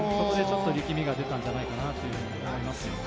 力みが出たんじゃないかと思います。